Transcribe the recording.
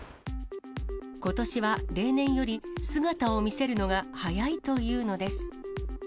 ことしは例年より姿を見せるのが早いというのです。